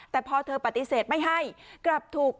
แต่พอเธอปฏิเสธไม่ให้กลับถูก